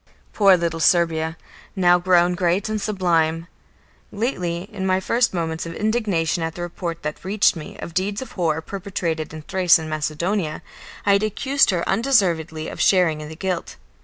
Poor little Serbia, now grown great and sublime! Lately, in my first moments of indignation at the report that reached me of deeds of horror perpetrated in Thrace and Macedonia, I had accused her undeservedly of sharing in the guilt.